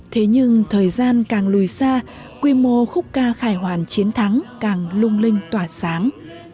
thế nhưng thời gian càng lùi xa quy mô khúc ca khải hoàn chiến thắng càng lung linh tỏa sáng